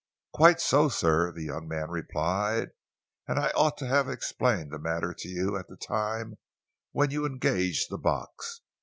"Quite so, sir," the young man replied, "and I ought to have explained the matter to you at the time, when you engaged the box.